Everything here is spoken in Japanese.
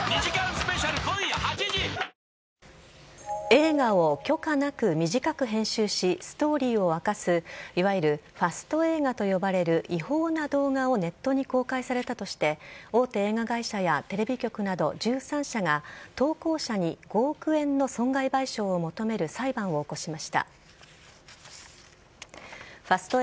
映画を許可なく短く編集しストーリーを明かすいわゆるファスト映画と呼ばれる違法な動画をネットに公開されたとして大手映画会社やテレビ局など１３社が投稿者に５億円の損害賠償を求める裁判を起こしました。